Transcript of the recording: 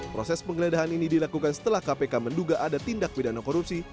proses penggeledahan ini dilakukan setelah kpk menduga ada tindak pidana korupsi